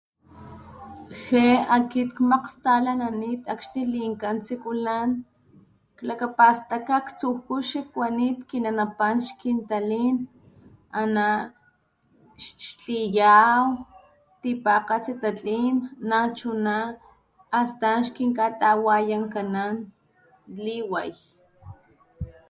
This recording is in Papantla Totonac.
Je akit makgstalananit akxni linkan sikulan klakapastaka aktsujku xikkuanit kinanapan xkintalin ana xtliyaw tipakgatsi tatlin nachuna hastan xkikatawayankanan liway.